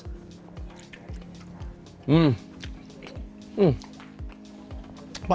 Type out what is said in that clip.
pak manis banget pak